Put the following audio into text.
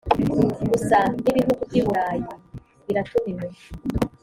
gusa n’ibihugu by’i burayi biratumiwe